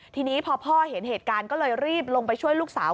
ทีนี้พอพ่อเห็นเหตุการณ์ก็เลยรีบลงไปช่วยลูกสาว